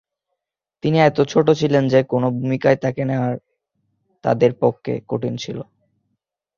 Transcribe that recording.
তিনি এত ছোট ছিলেন যে কোনও ভূমিকায় তাকে নেওয়া তাদের পক্ষে কঠিন ছিল।